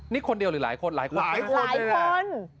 นี่คนเดียวหรือหลายคนหลายคน